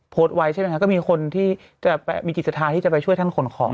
โพรตไว้ใช่ไหมฮะก็มีคนที่จะไปมีจิตรฐาที่จะไปช่วยท่านขนของอ่ะ